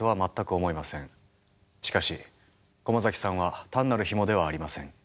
しかし駒崎さんは単なるヒモではありません。